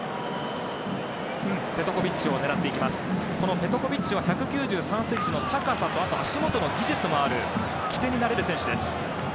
ペトコビッチは１９３ｃｍの高さと足元の技術もある起点になれる選手です。